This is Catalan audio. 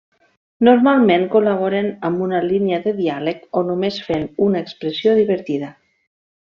Normalment col·laboren amb una línia de diàleg o només fent una expressió divertida.